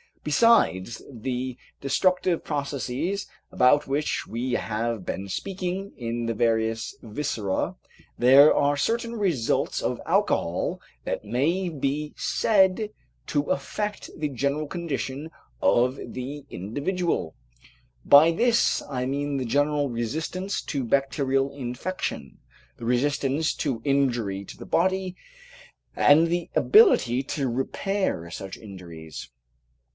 Besides the destructive processes about which we have been speaking in the various viscera, there are certain results of alcohol that may be said to affect the general condition of the individual. By this I mean the general resistance to bacterial infection, the resistance to injury to the body, and the ability to repair such injuries.